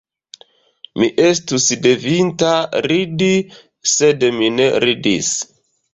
Mi estus devinta ridi, sed mi ne ridis.